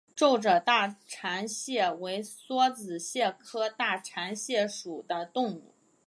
皱褶大蟾蟹为梭子蟹科大蟾蟹属的动物。